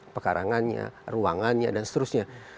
pekarangannya ruangannya dan seterusnya